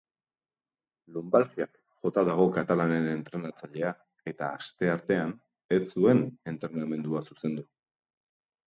Lunbalgiak jota dago katalanen entrenatzailea eta asteartean ez zuen entrenamendua zuzendu.